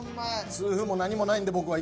痛風も何もないんで僕は。